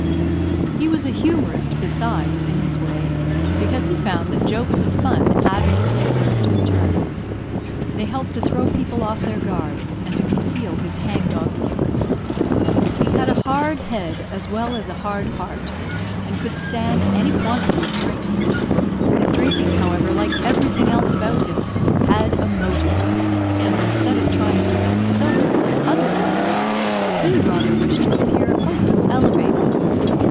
He was a humorist, besides, in his way, because he found that jokes and fun admirably served his turn. They helped to throw people off their guard, and to conceal his hang dog look. He had a hard head, as well as hard heart, and could stand any quantity of drink. His drinking, however, like everything else about him, had a motive; and, instead of trying to appear sober, like other drunkards, he rather wished to appear a little elevated.